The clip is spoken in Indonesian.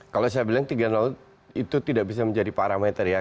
kalau saya bilang tiga ratus itu tidak bisa menjadi parameter ya